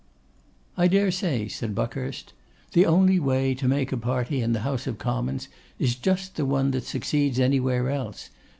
'I dare say,' said Buckhurst, 'the only way to make a party in the House of Commons is just the one that succeeds anywhere else.